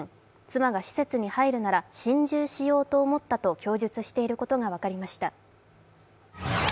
妻が施設に入るなら心中しようと思ったと供述していることが分かりました。